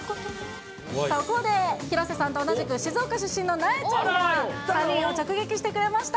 そこで、広瀬さんと同じく静岡出身のなえちゃんが３人を直撃してくれました。